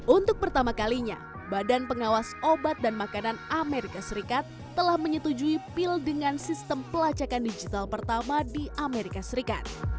untuk pertama kalinya badan pengawas obat dan makanan amerika serikat telah menyetujui pil dengan sistem pelacakan digital pertama di amerika serikat